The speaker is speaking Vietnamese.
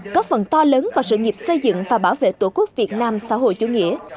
góp phần to lớn vào sự nghiệp xây dựng và bảo vệ tổ quốc việt nam xã hội chủ nghĩa